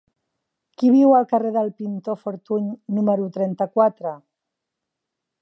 Qui viu al carrer del Pintor Fortuny número trenta-quatre?